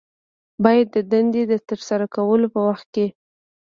باید د دندې د ترسره کولو په وخت کې